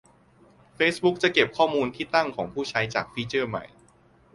เฟซบุ๊กจะเก็บข้อมูลที่ตั้งของผู้ใช้ จากฟีเจอร์ใหม่